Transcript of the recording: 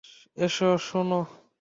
এসো, শোনো!